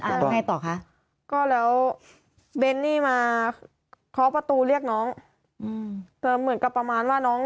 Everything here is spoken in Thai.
แล้วไงต่อคะก็แล้วเบนนี่มาเคาะประตูเรียกน้องอืมเหมือนกับประมาณว่าน้อง